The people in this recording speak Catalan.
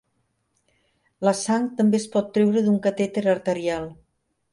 La sang també es pot treure d'un catèter arterial.